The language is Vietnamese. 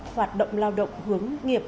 hoạt động lao động hướng nghiệp